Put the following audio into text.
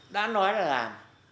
đã nói là làm